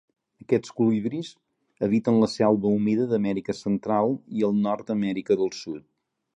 Aquests colibrís habiten la selva humida d'Amèrica Central i el nord d'Amèrica del Sud.